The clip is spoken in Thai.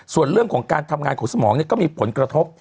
ส่วนเรื่องของการทำงานของสมองก็มีผลกระทบ